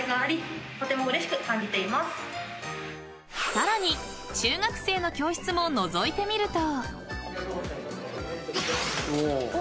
［さらに中学生の教室ものぞいてみると］